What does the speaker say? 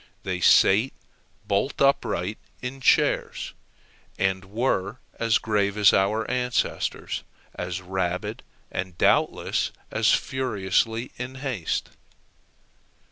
They sate bolt upright in chairs, and were as grave as our ancestors, as rabid, and doubtless as furiously in haste.